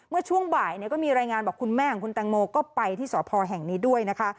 เมื่อช่วงบ่ายก็มีรายงานบอกคุณแม่ของคุณแตงโมก็ไปที่สพแห่งนี้ด้วยนะคะ